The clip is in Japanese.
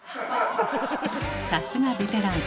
さすがベテラン。